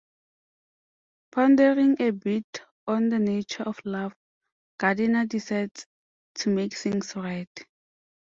Pondering a bit on the nature of love, Gardner decides to make things right.